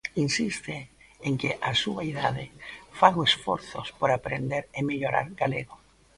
Insiste en que á súa idade fago esforzos por aprender e mellorar galego.